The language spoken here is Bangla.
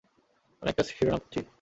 আমি একটা শিরোনাম খুঁজছি।